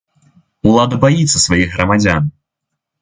Улада баіцца сваіх грамадзян!